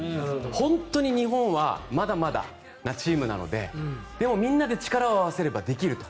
本当に日本はまだまだなチームなのででも、みんなで力を合わせればできると。